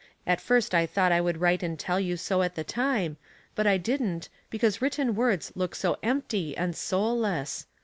At first I thought I would write and tell you so at the time, but 1 didn't, because written words look so empty and soulless.